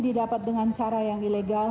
didapat dengan cara yang ilegal